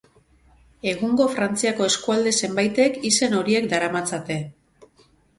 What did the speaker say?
Egungo Frantziako eskualde zenbaitek izen horiek daramatzate.